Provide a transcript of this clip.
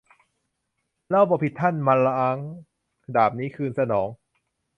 เราบ่ผิดท่านมล้าง ดาบนี้ คืนสนอง